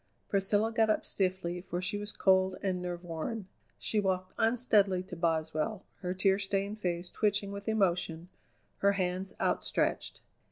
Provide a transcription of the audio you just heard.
Priscilla got up stiffly, for she was cold and nerve worn. She walked unsteadily to Boswell, her tear stained face twitching with emotion, her hands outstretched.